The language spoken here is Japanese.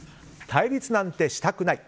対立なんてしたくない！